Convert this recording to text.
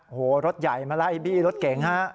โอ้โหรถใหญ่มาไล่บี้รถเก่งฮะ